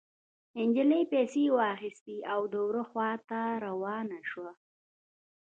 نجلۍ پيسې واخيستې او د وره خوا ته روانه شوه.